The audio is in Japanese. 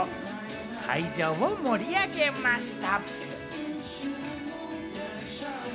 会場を盛り上げました。